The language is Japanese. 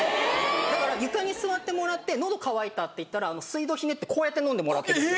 だから床に座ってもらって喉渇いたって言ったら水道ひねってこうやって飲んでもらってるんです。